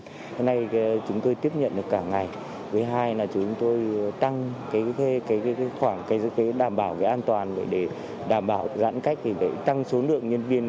hôm nay chúng tôi tiếp nhận được cả ngày với hai là chúng tôi tăng đảm bảo an toàn để đảm bảo giãn cách tăng số lượng nhân viên